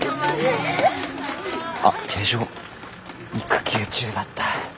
あっ手錠育休中だった。